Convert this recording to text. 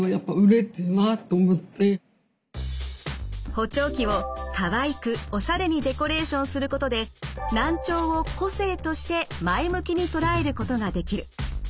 補聴器をかわいくおしゃれにデコレーションすることで難聴を個性として前向きに捉えることができる。